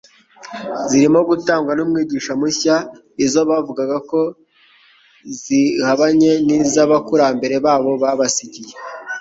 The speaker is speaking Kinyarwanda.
zirimo gutangwa n'Umwigisha mushya izo bavugaga ko zihabanye n'iz'abakurambere babo babasigiye.